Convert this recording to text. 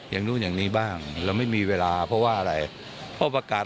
อย่างนู้นอย่างนี้บ้างเราไม่มีเวลาเพราะว่าอะไรเพราะประกาศ